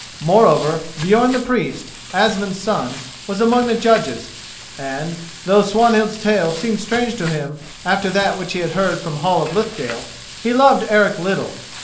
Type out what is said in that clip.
Moreover, Björn the Priest, Asmund's son, was among the judges, and, though Swanhild's tale seemed strange to him after that which he had heard from Hall of Lithdale, he loved Eric little.